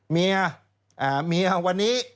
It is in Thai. เมียวันนี้